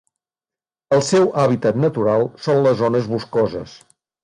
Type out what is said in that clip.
El seu hàbitat natural són les zones boscoses.